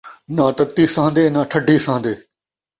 ناں تتی سہن٘دے ناں ٹھڈی سہن٘دے